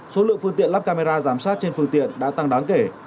số lượng phương tiện lắp camera giám sát trên phương tiện đã tăng đáng kể